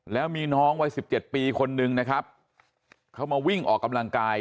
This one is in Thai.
แล้วมีน้องวัยสิบเจ็ดปีคนนึงนะครับเขามาวิ่งออกกำลังกาย